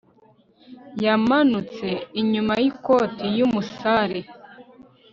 yamanutse inyuma yikoti yumusare